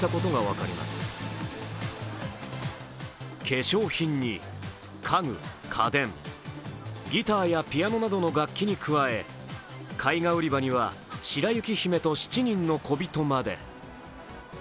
化粧品に家具・家電、ギターやピアノなどの楽器に加え絵画売り場には「白雪姫と七人のこびと」まで。